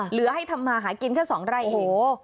เหลือให้ทำมาหากินก็๒ไร่อีก